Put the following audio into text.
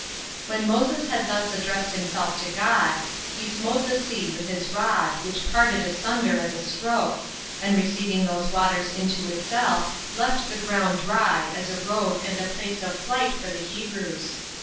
2. When Moses had thus addressed himself to God, he smote the sea with his rod, which parted asunder at the stroke, and receiving those waters into itself, left the ground dry, as a road and a place of flight for the Hebrews.